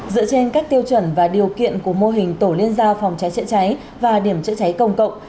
dựa trên các tiêu chuẩn và điều kiện của mô hình tổ liên gia phòng cháy chữa cháy và điểm chữa cháy công cộng